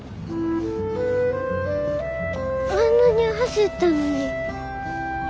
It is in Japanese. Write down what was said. あんなに走ったのに。